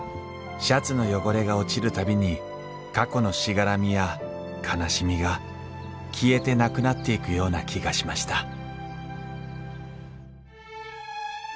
シャツの汚れが落ちる度に過去のしがらみや悲しみが消えてなくなっていくような気がしました